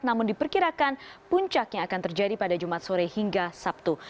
namun diperkirakan puncaknya akan terjadi pada jumat sore hingga sabtu